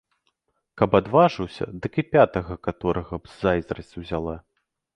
Каб адважыўся, дык і пятага каторага б зайздрасць узяла.